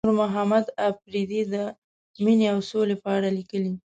نورمحمد اپريدي د مينې او سولې په اړه ليکلي.